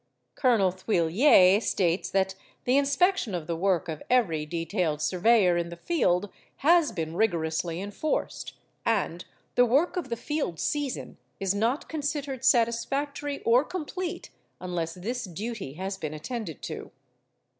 Colonel Thuillier states that 'the inspection of the work of every detailed surveyor in the field has been rigorously enforced, and the work of the field season is not considered satisfactory or complete unless this duty has been attended to.